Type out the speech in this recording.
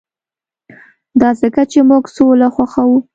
دا ځکه چې موږ سوله خوښوو